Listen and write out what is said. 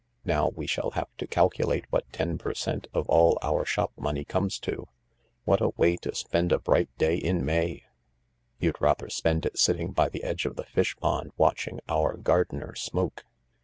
Now we shall have to calculate what ten per cent, of all our shop money comes to. What a way to spend a bright day in May !"" You'd rather spend it sitting by the edge of the fish pond watching our gardener smoke."